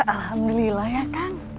alhamdulillah ya kang